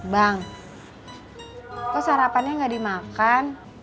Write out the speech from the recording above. bang kok sarapannya nggak dimakan